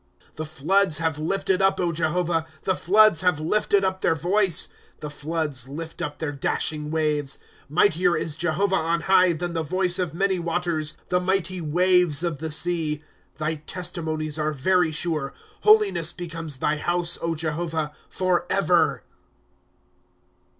■' The floods have lifted up, Jehovah, The floods have lifted up their voice ; The floods lift up their dashing waves. * Mightier is Jehovah on high. Than the voice of many waters, The mighty waves of the sea. ^ Thy testimonies are very sure. Holiness becomes thy house, Jehovah, forever.